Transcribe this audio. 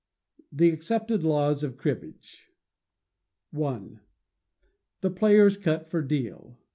The Accepted Laws of Cribbage. i. The players cut for deal.